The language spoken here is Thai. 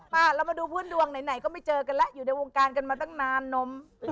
เรามาดูพื้นดวงไหนก็ไม่เจอกันแล้วอยู่ในวงการกันมาตั้งนานนม